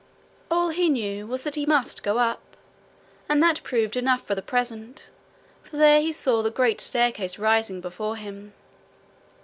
All he knew was that he must go up, and that proved enough for the present, for there he saw the great staircase rising before him.